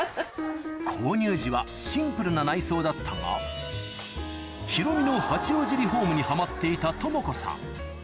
購入時はシンプルな内装だったがヒロミの八王子リホームにハマっていた智子さん